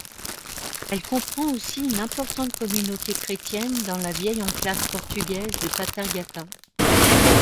Elle comprend aussi une importante communauté chrétienne dans la vieille enclave portugaise de Paterghatta.